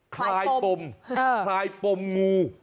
คลายปมคลายปมงู